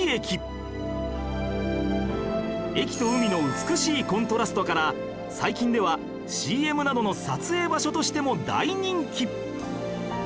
駅と海の美しいコントラストから最近では ＣＭ などの撮影場所としても大人気！